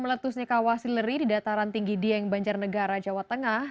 meletusnya kawah sileri di dataran tinggi dieng banjarnegara jawa tengah